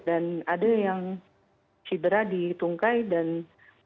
dan ada yang sibera ditungkai dan mengalami